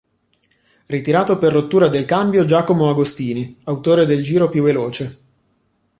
Ritirato per rottura del cambio Giacomo Agostini, autore del giro più veloce.